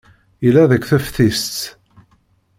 Yella deg teftist.